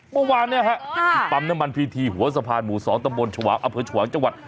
เมื่อวานนี้ครับปั๊มน้ำมันพีทีหัวสะพานหมู่สองตะบนชวางอเผิดชวางจังหวัด